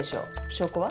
証拠は？